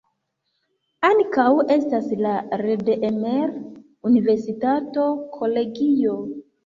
Ankaŭ estas la Redeemer-Universitato-kolegio.